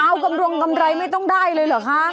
เอากำรงกำไรไม่ต้องได้เลยเหรอคะ